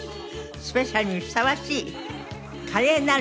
スペシャルにふさわしい華麗なる一族。